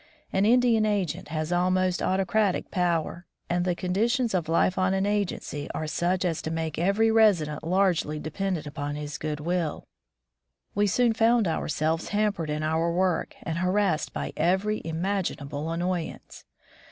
An Indian agent has almost autocratic power, and the conditions of life on an agency are 132 War vyilh the Politicians such as to make every resident largely dependent upon his good will. We soon found ourselves hampered in our work and harassed by every imaginable annoyance.